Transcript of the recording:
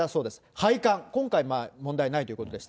配管、今回問題ないということでした。